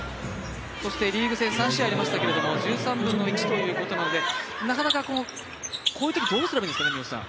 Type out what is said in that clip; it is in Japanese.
そしてリーグ戦３試合ありましたけど、１３分の１ということなのでなかなか、こういうときどうすればいいんですかね？